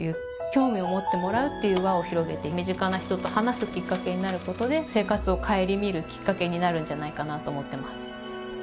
興味を持ってもらうっていう輪を広げて身近な人と話すきっかけになることで生活を顧みるきっかけになるんじゃないかなと思ってます。